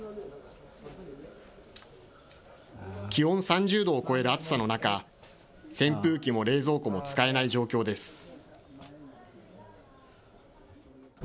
気温３０度を超える暑さの中、扇風機も冷蔵庫も使えない状況です。